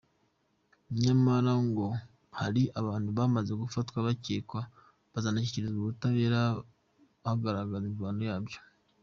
Nyamara ngo hari abantu bamaze gufatwa bakekwa, bakazanashyikirizwa ubutabera hakagaragara imvano yabyo.